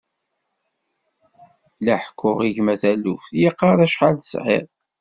La ḥekkuɣ i gma taluft, yeqqar acḥal tesɛiḍ.